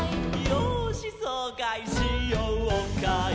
「よーしそうかいしようかい」